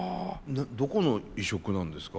どこの移植なんですか？